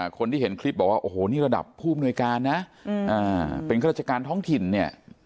คนที่เห็นคลิปบอกว่าโอ้โหนี่ระดับผู้อำนวยการนะเป็นข้าราชการท้องถิ่นเนี่ย